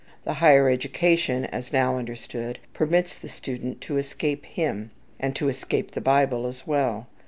The higher education, as now understood, permits the student to escape him, and to escape the Bible as well.